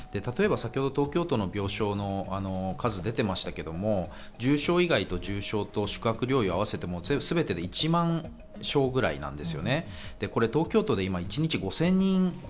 東京都の病床の数が先ほど出ていましたが、重症以外と重症と宿泊療養を合わせても全てで１万床ぐらいなんです。